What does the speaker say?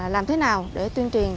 làm thế nào để tuyên truyền